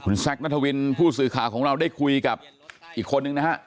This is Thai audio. แซคนัทวินผู้สื่อข่าวของเราได้คุยกับอีกคนนึงนะฮะ